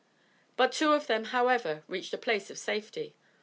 But two of them however reached a place of safety.